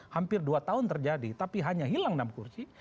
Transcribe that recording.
hampir dua tahun terjadi tapi hanya hilang enam kursi